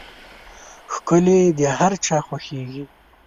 ښکلي د هر چا خوښېږي.